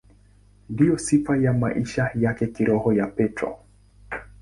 Ndiyo sifa ya maisha ya kiroho ya Petro.